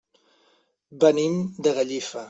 Venim de Gallifa.